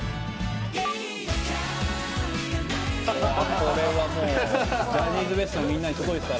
これはもうジャニーズＷＥＳＴのみんなに届いたら。